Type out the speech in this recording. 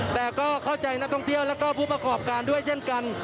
แต่ก็เข้าใจนักท่องเที่ยวแล้วก็ผู้ประกอบการด้วยเช่นกัน